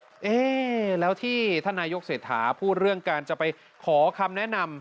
เอ๊ะแล้วที่ท่านนายกเศรษฐาพูดเรื่องการจะไปขอคำแนะนำ